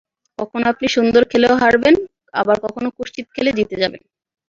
কখনো আপনি সুন্দর খেলেও হারবেন, আবার কখনো কুৎসিত খেলে জিতে যাবেন।